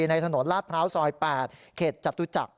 ในถนนลาดพร้าวซอย๘เขตจตุจักร